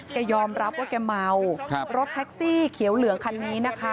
แกยอมรับว่าแกเมารถแท็กซี่เขียวเหลืองคันนี้นะคะ